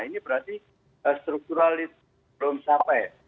ini berarti strukturalis belum sampai